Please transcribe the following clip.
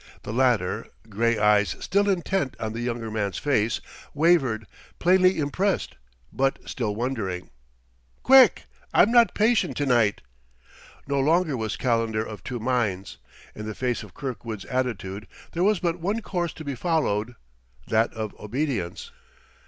The latter, gray eyes still intent on the younger man's face, wavered, plainly impressed, but still wondering. "Quick! I'm not patient to night..." No longer was Calendar of two minds. In the face of Kirkwood's attitude there was but one course to be followed: that of obedience.